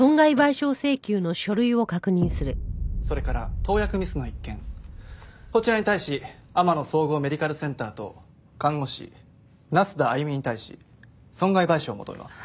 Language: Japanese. それから投薬ミスの一件こちらに対し天乃総合メディカルセンターと看護師那須田歩に対し損害賠償を求めます。